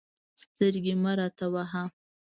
سترګې مه راته وهه.